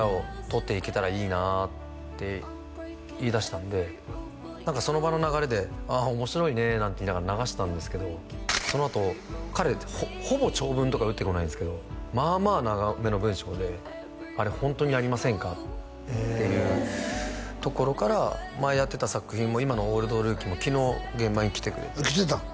「撮っていけたらいいな」って言いだしたんで何かその場の流れで「ああ面白いね」なんて言いながら流したんですけどそのあと彼ってほぼ長文とか打ってこないんですけどまあまあ長めの文章で「あれホントにやりませんか？」っていうところから前やってた作品も今の「オールドルーキー」も昨日現場に来てくれて来てたん？